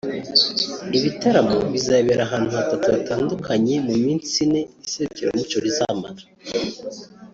Ibitaramo bizabera ahantu hatatu hatandukanye mu minsi ine iserukiramuco rizamara